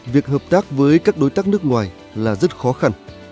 việc hợp tác với các đối tác nước ngoài là rất khó khăn